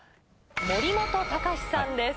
森本隆司さんです。